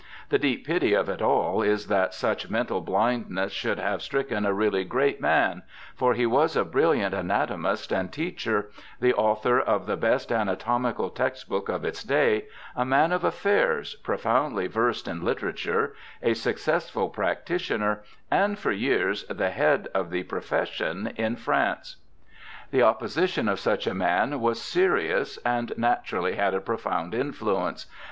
The deep pity of it all is that such mental blindness should have stricken a really great man, for he was a brilliant ana tomist and teacher, the author of the best anatomical textbook of its day, a man of affairs, profoundly versed in literature, a successful practitioner, and for years the head of the profession in France. The opposition of such a man was serious, and natu rally had a profound influence.